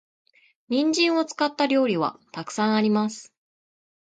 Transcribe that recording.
人参を使った料理は沢山あります。